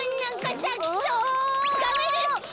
ダメです！